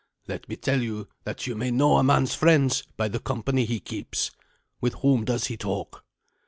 "Let me tell you that you may know a man's friends by the company he keeps. With whom does he talk?"